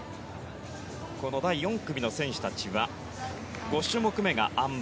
この第４組の選手たちは５種目めがあん馬。